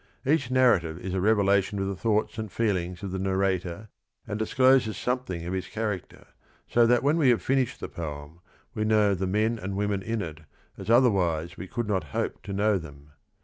— Ea£h~narrative is a revelation of the thoughts and feelings of the narrator and discloses something of his character, so that when we have finished the poem we know the men and women in it as otherwise we could not hope to know them.